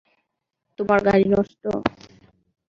তোমার গাড়ি নষ্ট?